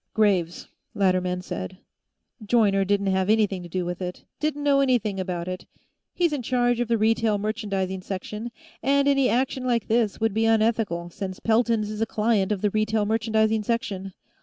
"Graves," Latterman said. "Joyner didn't have anything to do with it; didn't know anything about it. He's in charge of the Retail Merchandising section, and any action like this would be unethical, since Pelton's is a client of the Retail Merchandising section.